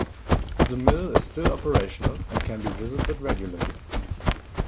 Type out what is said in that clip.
The mill is still operational and can be visited regularly.